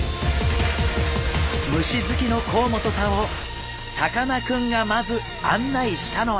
虫好きの甲本さんをさかなクンがまず案内したのは。